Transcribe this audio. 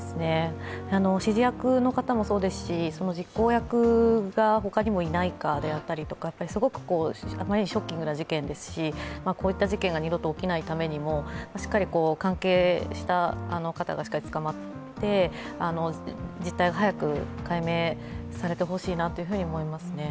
指示役の方もそうですし実行役が他にもいないかであったりとかすごく、あまりにショッキングな事件ですし、こういった事件が二度と起きないためにも、関係した方がしっかり捕まって、実態を早く解明されてほしいなと思いますね。